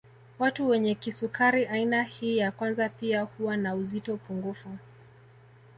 Watu wenye kisukari aina hii ya kwanza pia huwa na uzito pungufu